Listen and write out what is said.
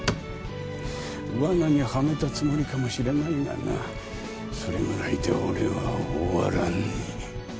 罠にはめたつもりかもしれないがなそれぐらいで俺は終わらねぇ。